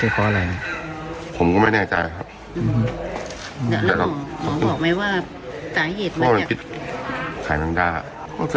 ซื้อจากไหนกันนะแมงดาเนี่ย